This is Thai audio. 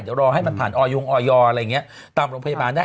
เดี๋ยวรอให้มันผ่านออยงออยอะไรอย่างนี้ตามโรงพยาบาลได้